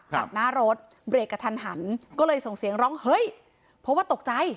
ตัดหน้ารถเบรกกระทันหันก็เลยส่งเสียงร้องเฮ้ยเพราะว่าตกใจ